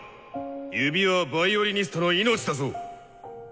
指はヴァイオリニストの命だぞ。